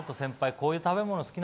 こういう食べ物好きなんだ